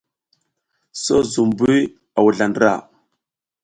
So zum buy a wuzla ndra.